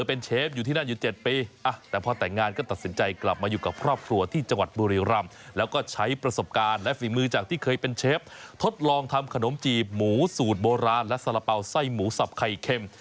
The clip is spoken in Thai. เป็นเชฟอยู่ที่นั่นอยู่๗ปีแต่พอแต่งงานก็ตัดสินใจกลับมาอยู่กับครอบครัวที่จังหวัดบุรีรำแล้วก็ใช้ประสบการณ์และฝีมือจากที่เคยเป็นเชฟทดลองทำขนมจีบหมูสูตรโบราณและสาระเป๋าไส้หมูสับไข่เค็ม